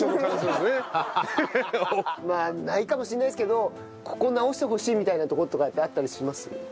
まあないかもしれないですけどここ直してほしいみたいなとことかってあったりします？